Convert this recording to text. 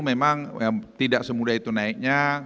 memang tidak semudah itu naiknya